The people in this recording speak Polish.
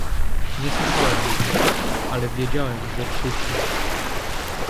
"Nie słyszałem nic, ale wiedziałem, że krzyczy."